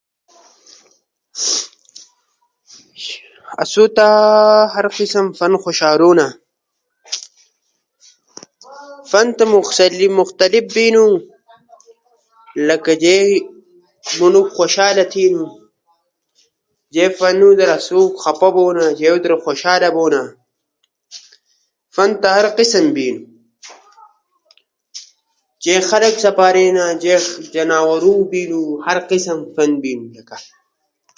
آسو تا ہر قسم فن خوشارونا، فن تو مختلف بینو لکہ جے منوڙو خوشالا تھیمو جے منوڙو خفا بینو جے خوشالا بونا فن تا ہر قسم بینو۔ جے خلق سپارینا جے زناورو نو بینو، ہر قسم فن بینو۔